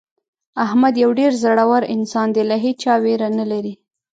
احمد یو ډېر زړور انسان دی له هېچا ویره نه لري.